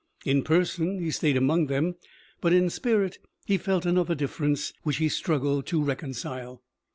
In person he stayed among them, but in spirit he felt another difference, which he struggled to reconcile.